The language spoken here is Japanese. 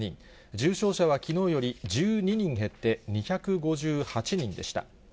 重症者はきのうより１２人減って、２５８人でした。